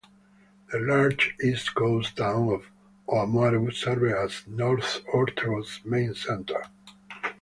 The large east-coast town of Oamaru serves as North Otago's main centre.